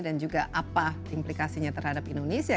dan juga apa implikasinya terhadap indonesia